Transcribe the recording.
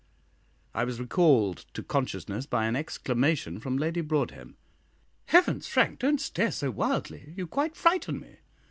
I was recalled to consciousness by an exclamation from Lady Broadhem. "Heavens, Frank, don't stare so wildly you quite frighten me!